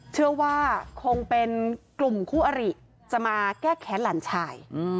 เชื่อว่าคงเป็นกลุ่มคู่อริจะมาแก้แค้นหลานชาย